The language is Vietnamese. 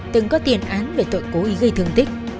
từng có tiền án về tội cố ý gây thương tích